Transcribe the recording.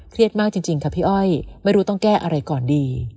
มากจริงค่ะพี่อ้อยไม่รู้ต้องแก้อะไรก่อนดี